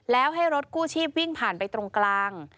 แล้วให้รถกู้ชีพวิ่งผ่านไปตรงกลาง